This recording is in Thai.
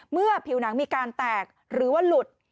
ผิวหนังมีการแตกหรือว่าหลุด